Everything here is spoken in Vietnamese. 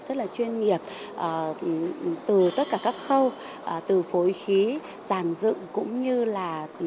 rất là chuyên nghiệp từ tất cả các khâu từ phối khí giàn dựng cũng như là